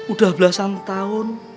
udah belasan tahun